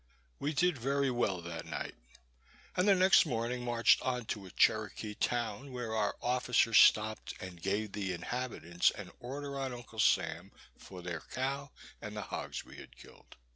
We did very well that night, and the next morning marched on to a Cherokee town, where our officers stop'd, and gave the inhabitants an order on Uncle Sam for their cow, and the hogs we had killed.